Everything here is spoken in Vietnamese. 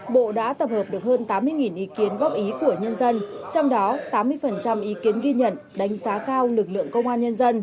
bộ đã tập hợp được hơn tám mươi ý kiến góp ý của nhân dân trong đó tám mươi ý kiến ghi nhận đánh giá cao lực lượng công an nhân dân